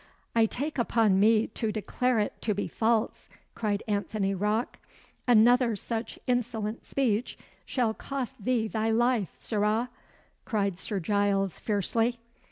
"I take upon me to declare it to be false," cried Anthony Rocke. "Another such insolent speech shall cost thee thy life, sirrah!" cried Sir Giles, fiercely.